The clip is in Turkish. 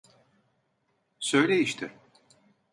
Söyle işte.